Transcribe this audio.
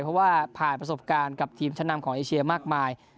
เพราะว่าผ่านประสบการณ์กับทีมชั้นนำของเอเชียมากมาย